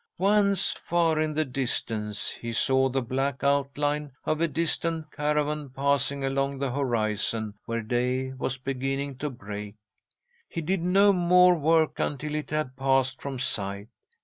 "'Once, far in the distance, he saw the black outline of a distant caravan passing along the horizon where day was beginning to break. He did no more work until it had passed from sight.